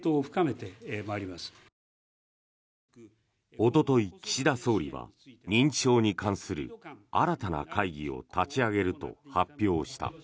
おととい、岸田総理は認知症に関する新たな会議を立ち上げると発表した。